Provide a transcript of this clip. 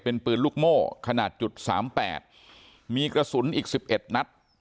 เป็นปืนลูกโม่ขนาดจุด๓๘มีกระสุนอีก๑๑นัด